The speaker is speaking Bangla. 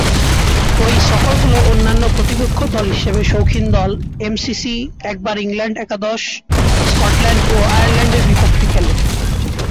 ঐ সফরগুলোয় অন্যান্য প্রতিপক্ষ দল হিসেবে শৌখিন দল, এমসিসি, একবার ইংল্যান্ড একাদশ, স্কটল্যান্ড ও আয়ারল্যান্ডের বিপক্ষে খেলে।